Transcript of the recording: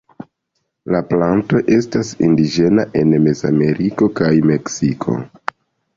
La planto estas indiĝena en Mezameriko kaj Meksiko.